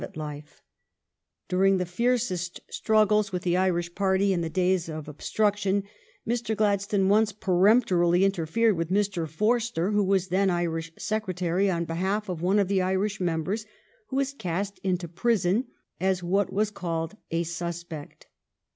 378 THE STORY OF GLADSTONE'S LIFE During the fiercest struggles with the Irish party in the days of obstruction, Mr. Gladstone once per emptorily interfered with Mr. Forster, who was then Irish Secretary, on behalf of one of the Irish members who was cast into prison as what was called a suspect.